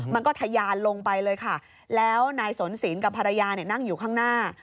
มันก็ทะยานลงไปเลยค่ะแล้วนายสนศีลกับภรรยานั่งอยู่ข้างหน้า